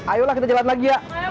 ayolah kita jalan lagi ya